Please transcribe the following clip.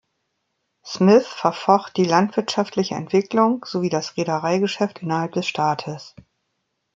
Smith verfocht die landwirtschaftliche Entwicklung, sowie das Reedereigeschäft innerhalb des Staates.